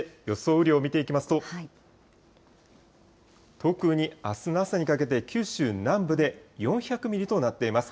雨量を見ていきますと、特にあすの朝にかけて、九州南部で４００ミリとなっています。